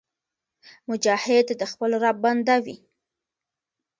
مجاهد د خپل رب بنده وي.